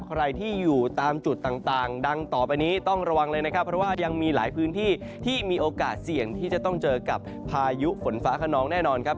ใครที่อยู่ตามจุดต่างดังต่อไปนี้ต้องระวังเลยนะครับเพราะว่ายังมีหลายพื้นที่ที่มีโอกาสเสี่ยงที่จะต้องเจอกับพายุฝนฟ้าขนองแน่นอนครับ